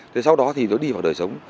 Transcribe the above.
thì sau đó thì nó đi vào đời sống